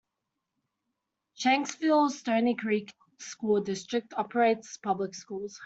Shanksville-Stonycreek School District operates public schools.